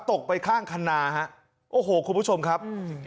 ตกไปข้างคันนาฮะโอ้โหคุณผู้ชมครับ